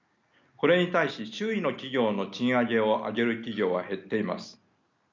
これに対し周囲の企業の賃上げを挙げる企業は減っています。